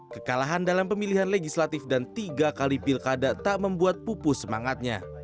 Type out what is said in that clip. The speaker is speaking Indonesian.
kekalahan dalam pemilihan legislatif dan tiga kali pilkada tak membuat pupus semangatnya